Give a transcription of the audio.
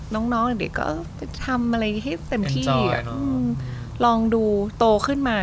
น้องน้องเด็กก็เข้ามาอะไรให้เต็มที่อ่ะอืมลองดูโตขึ้นมา